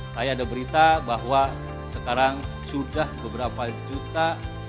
saya ada berita bahwa sekarang sudah beberapa juta